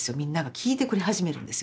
聞いてくれ始めるんですよね